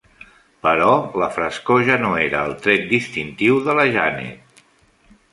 Però la frescor ja no era el tret distintiu de la Janet.